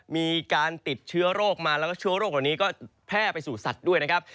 มีการติดเชื้อโรคมาแล้วก็เชื้อโรคเหล่านี้ก็แพร่ไปสู่สัตว์ด้วยนะครับ